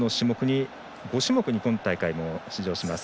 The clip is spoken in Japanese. ５種目に今大会、出場します。